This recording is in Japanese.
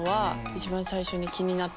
一番最初に気になったかなって。